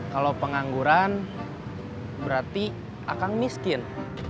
kalau pengangguran berarti akang miskin